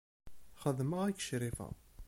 Xeddmeɣ akked Crifa.